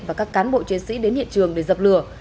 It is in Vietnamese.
và các cán bộ chiến sĩ đến hiện trường để dập lửa